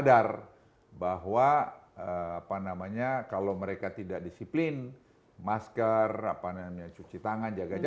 umkm ada tujuh enam triliun